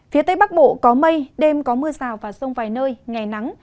phía tây bắc bộ có mây đêm có mưa rào và rông vài nơi ngày nắng